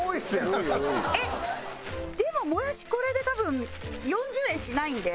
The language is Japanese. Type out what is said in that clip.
えっでももやしこれで多分４０円しないんで。